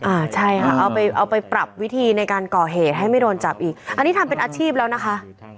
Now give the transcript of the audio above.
อ่าใช่ค่ะเอาไปเอาไปปรับวิธีในการก่อเหตุให้ไม่โดนจับอีกอันนี้ทำเป็นอาชีพแล้วนะคะ